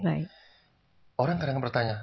orang kadang kadang bertanya